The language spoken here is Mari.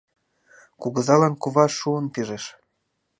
Кугызалан кува шуын пижеш: